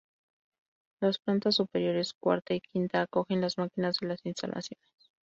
Las plantas superiores, cuarta y quinta, acogen las máquinas de las instalaciones.